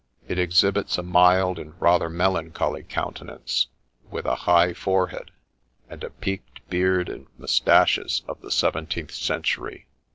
It exhibits a mild and rather melancholy countenance, with a high forehead, and the peaked beard and moustaches of the seventeenth century.